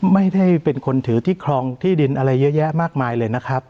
ไม่ได้เป็นคนถือที่ครองที่ดินอะไรเยอะแยะมากมายเลยนะครับ